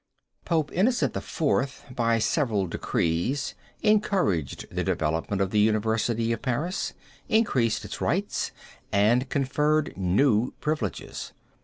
Pope Innocent IV. by several decrees encouraged the development of the University of Paris, increased its rights and conferred new privileges.